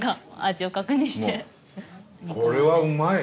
これはうまい！